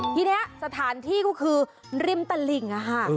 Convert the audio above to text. ทีนี้สถานที่ก็คือริมตลิ่ง